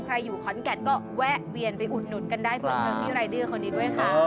อยู่ขอนแก่นก็แวะเวียนไปอุดหนุนกันได้เผื่อจะมีรายเดอร์คนนี้ด้วยค่ะ